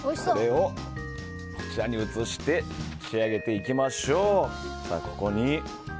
これをこちらに移して仕上げていきましょう。